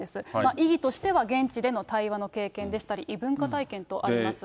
意義としては現地でのの経験でしたり、異文化体験とあります。